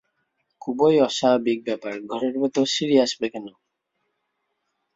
খুবই অস্বাভাবিক ব্যাপার, ঘরের ভেতর সিঁড়ি আসবে কেন।